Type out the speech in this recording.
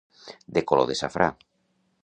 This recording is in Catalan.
De color de safrà.